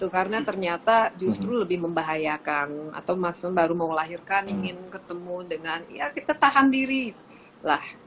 karena ternyata justru lebih membahayakan atau baru mau melahirkan ingin ketemu dengan ya kita tahan diri lah